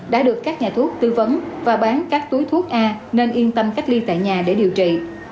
đã được các nhà thuốc tư vấn và bán các túi thuốc a nên yên tâm cách ly tại nhà để điều trị